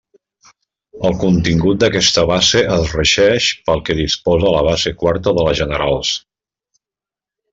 El contingut d'aquesta base es regeix pel que disposa la base quarta de les generals.